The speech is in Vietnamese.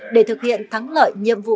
để thực hiện thắng lợi nhiệm vụ